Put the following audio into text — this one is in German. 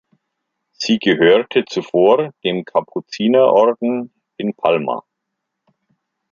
Sie gehörte zuvor dem Kapuzinerorden in Palma.